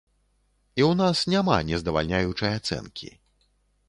І ў нас няма нездавальняючай ацэнкі.